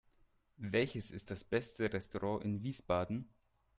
Welches ist das beste Restaurant in Wiesbaden?